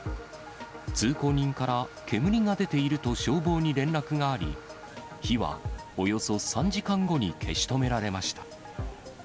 通行人から、煙が出ていると消防に連絡があり、火はおよそ３時間後に消し止められました。